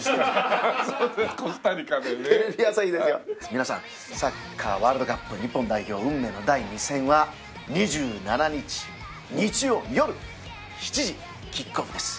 皆さんサッカーワールドカップ日本代表運命の第２戦は２７日日曜夜７時キックオフです。